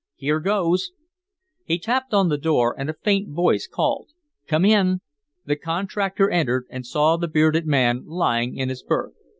Here goes!" He tapped on the door, and a faint voice called: "Come in!" The contractor entered, and saw the bearded man lying in his berth.